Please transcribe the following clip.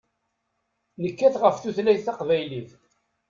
Nekkat ɣef tutlayt taqbaylit.